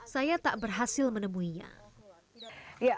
saya tak berhasil menemuinya